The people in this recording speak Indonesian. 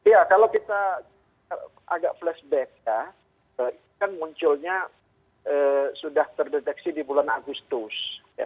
ya kalau kita agak flashback ya ini kan munculnya sudah terdeteksi di bulan agustus